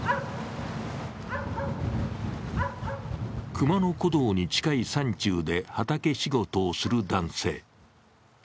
熊野古道に近い山中で畑仕事をする男性。